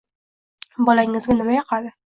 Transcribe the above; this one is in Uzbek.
Bolangizga nima yoqadi.